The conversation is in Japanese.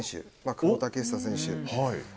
久保建英選手。